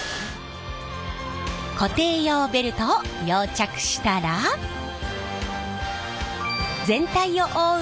固定用ベルトを溶着したら全体を覆う部分の膜は完成！